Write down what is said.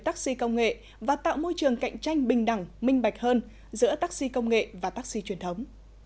taxi công nghệ và tạo môi trường cạnh tranh bình đẳng minh bạch hơn giữa taxi công nghệ và taxi truyền thống